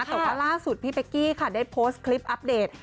แต่ว่าล่าสุดพี่เป๊กกี้ค่ะได้โพสต์คลิปอัปเดต